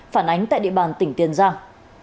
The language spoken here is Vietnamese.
phản ánh tại địa bàn tỉnh tiền giang